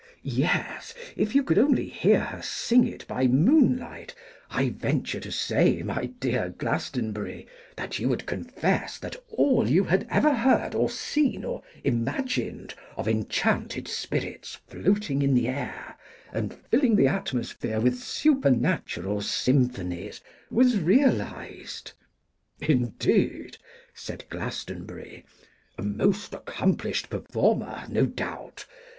'Yes, if you could only hear her sing it by moonlight, I venture to say, my dear Glastonbury, that you would confess that all you had ever heard, or seen, or imagined, of enchanted spirits floating in the air, and filling the atmosphere with supernatural symphonies, was realised.' 'Indeed!' said Glastonbury, 'a most accomplished performer, no doubt!